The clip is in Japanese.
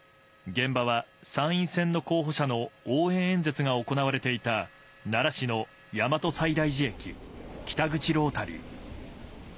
現場は参院選の候補者の応援演説が行われていた奈良市の大和西大寺駅北口ロータリー。